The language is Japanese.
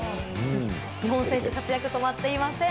日本選手、活躍が止まっていません。